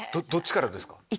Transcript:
どっちからですか？